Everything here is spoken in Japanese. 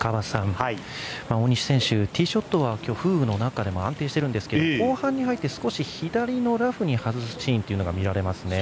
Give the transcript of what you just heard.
大西選手、ティーショットは風雨の中でも今日は安定しているんですけど、後半に入って少し左のラフに外すシーンというのが見られますね。